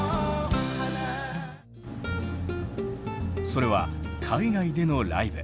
それは海外でのライブ。